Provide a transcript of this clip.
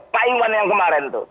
pak iwan yang kemarin tuh